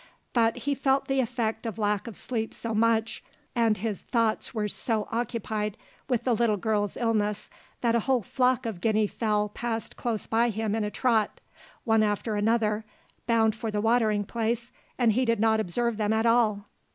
But he felt the effect of lack of sleep so much and his thoughts were so occupied with the little girl's illness that a whole flock of guinea fowl passed close by him in a trot, one after another, bound for the watering place, and he did not observe them at all.